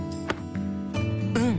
うん！